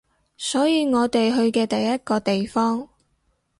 所以我哋去嘅第一個地方